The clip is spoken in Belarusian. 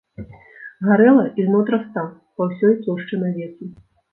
Гарэла ільнотраста па ўсёй плошчы навесу.